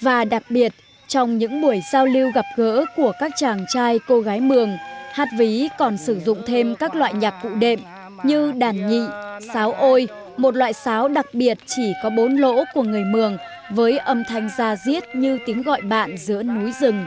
và đặc biệt trong những buổi giao lưu gặp gỡ của các chàng trai cô gái mường hát ví còn sử dụng thêm các loại nhạc cụ đệm như đàn nhị sáo ôi một loại sáo đặc biệt chỉ có bốn lỗ của người mường với âm thanh gia diết như tiếng gọi bạn giữa núi rừng